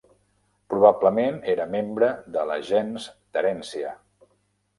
Probablement era membre de la gens Terència.